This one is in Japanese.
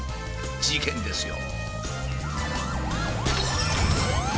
事件ですよ。